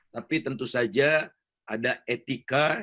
tapi tentu saja ada etika